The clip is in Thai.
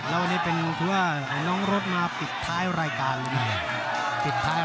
แล้ววันนี้เป็นทั่วน้องรสมาปิดท้ายรายการเลยนะ